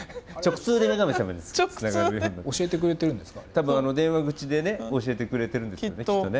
多分電話口でね教えてくれてるんですよねきっとね。